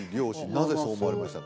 なぜそう思われましたか？